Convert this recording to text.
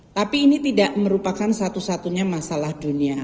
tapi ini tidak merupakan satu satunya masalah dunia